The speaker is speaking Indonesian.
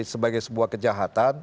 sebagai sebuah kejahatan